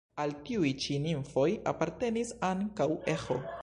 Al tiuj ĉi nimfoj apartenis ankaŭ Eĥo.